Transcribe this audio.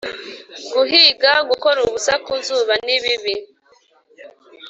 guhiga, gukora ubusa ku zuba, nibibi